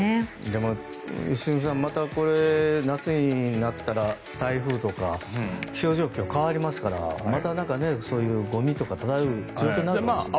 でも、良純さんまたこれ、夏になったら台風とか気象状況変わりますからまたなんか、そういうゴミとか漂う状況になりますよね。